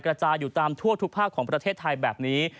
กระจายอยู่ตามทั่วทุกภาคของประเทศไทยแบบนี้